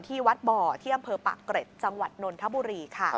ที่วัดบ่อที่อำเภอปากเกร็ดจังหวัดนนทบุรีค่ะ